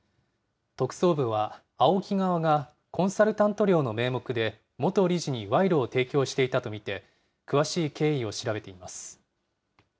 特捜部はＡＯＫＩ側がコンサルタント料の名目で元理事に賄賂を提供していたと見て、詳しい経緯を調べています。